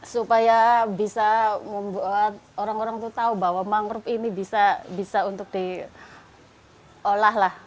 supaya bisa membuat orang orang itu tahu bahwa mangrove ini bisa untuk diolah lah